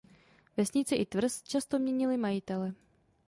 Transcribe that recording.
Vesnice i tvrz často měnily majitele.